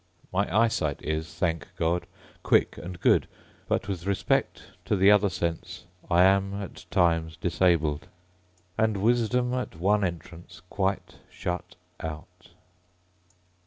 My eyesight is, thank God, quick and good; but with respect to the other sense, I am, at times, disabled: And Wisdom at one entrance quite shut out.